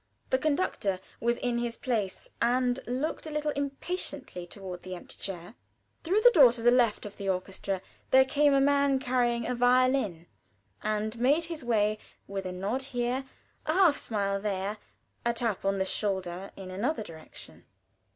The conductor was in his place, and looked a little impatiently toward that empty chair. Through a door to the left of the orchestra there came a man, carrying a violin, and made his way, with a nod here, a half smile there, a tap on the shoulder in another direction.